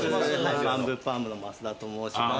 バンブーパームの益田と申します。